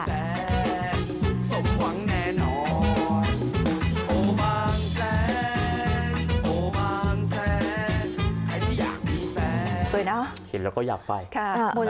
สุดท้ายสมหวังแน่นอนโอ้บางแสนโอ้บางแสนใครที่อยากมีแฟน